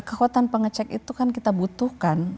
kekuatan pengecek itu kan kita butuhkan